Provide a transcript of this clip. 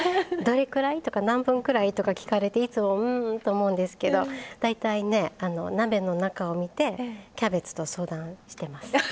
「どれくらい？」とか「何分くらい？」とか聞かれていつもうんと思うんですけど大体ね鍋の中を見てキャベツと相談してます。